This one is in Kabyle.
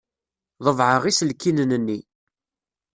Ḍebɛeɣ iselkinen-nni.